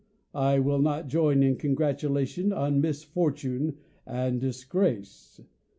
I will not join in congratulation on misfortune and disgrace.